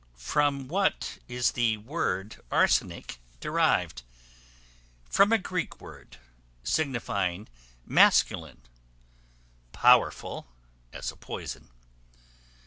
From what is the word Arsenic derived? From a Greek word, signifying masculine powerful (as a poison).